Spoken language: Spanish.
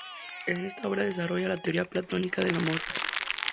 En esta obra desarrolla la teoría platónica del amor.